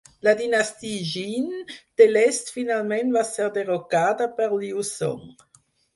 La dinastia Jin de l'est finalment va ser derrocada per Liu Song.